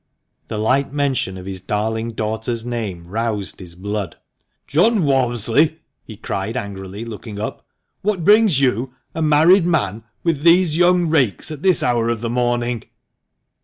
The light mention of his darling daughter's name roused his blood. " John Walmsley," he cried angrily, looking up, " what brings you, a married man, with these young rakes at this hour of the morning